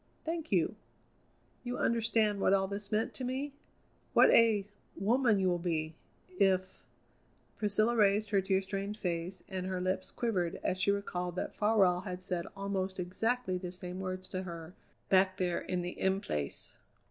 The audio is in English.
Thank you. You understand what all this meant to me? What a woman you will be if " Priscilla raised her tear stained face and her lips quivered as she recalled that Farwell had said almost exactly the same words to her back there in the In Place.